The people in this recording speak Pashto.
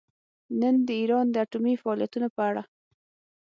نن د ایران د اټومي فعالیتونو په اړه